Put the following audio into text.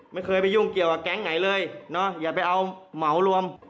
ไม่เคยไปยุ่งเกี่ยวกับแก๊งไหนเลยอย่าไปเอาเหมารวม